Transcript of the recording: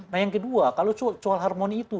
nah yang kedua kalau soal harmoni itu